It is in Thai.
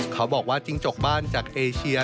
เขาบอกว่าจิ้งจกบ้านจากเอเชีย